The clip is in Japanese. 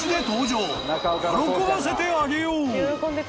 ［喜ばせてあげよう］